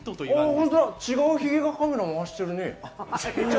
本当だ、違うヒゲがカメラ回してるね。